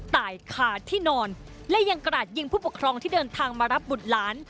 ตายคาที่นอนและยังกราดยิงผู้ปกครองที่เดินทางมารับบุตรหลาน